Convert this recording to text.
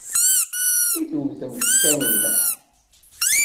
I tewtemt kan nneḥ?